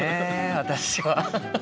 私は。